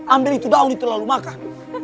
ambil itu daun itu lalu makan